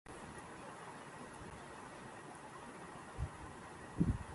Its ruler is known as the Shah.